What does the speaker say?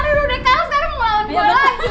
madu udah kalah sekarang mau lawan gue lagi